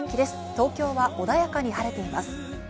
東京は穏やかに晴れています。